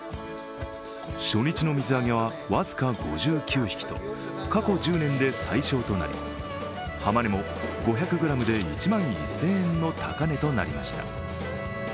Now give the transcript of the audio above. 初日の水揚げは僅か５９匹と過去１０年で最少となり、浜値も５００ｇで１万１０００円の高値となりました。